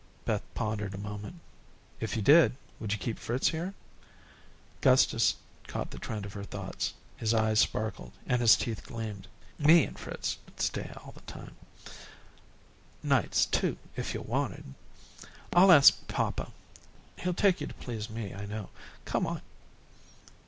Beth pondered a moment. "If you did, would you keep Fritz here?" Gustus caught the trend of her thoughts. His eyes sparkled and his teeth gleamed. "Me and Fritz 'd stay all the time nights, too, if yo' wanted." "I'll ask papa. He'll take you to please me, I know. Come on."